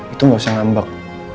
itu gak usah ngambek